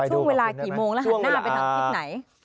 ช่วงเวลากี่โมงแล้วหันหน้าไปทางทิศไหน